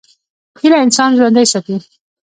هیله انسان ژوندی ساتي.